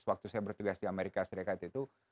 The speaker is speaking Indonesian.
waktu saya bertugas di amerika serikat itu